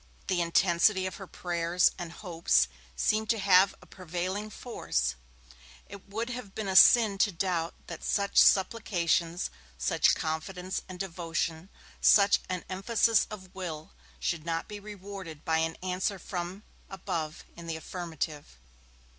The intensity of her prayers and hopes seemed to have a prevailing force; it would have been a sin to doubt that such supplications, such confidence and devotion, such an emphasis of will, should not be rewarded by an answer from above in the affirmative.